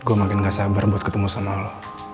seh gua makin gak sabar buat ketemu sama lo